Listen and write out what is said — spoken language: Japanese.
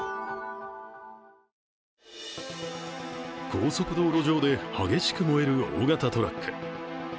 高速道路上で激しく燃える大型トラック。